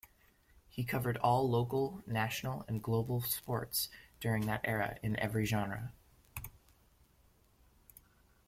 He covered all local, national and global sports during that era in every genre.